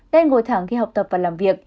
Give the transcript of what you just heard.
nên ngồi thẳng khi học tập và làm việc